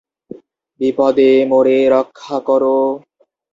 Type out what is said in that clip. বিপদে মোরে রক্ষা কর।